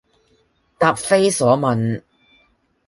答非所問